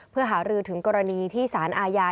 เพื่อหารือถึงกรณีที่สารอาญา